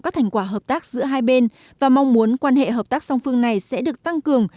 các thành quả hợp tác giữa hai bên và mong muốn quan hệ hợp tác song phương này sẽ được tăng cường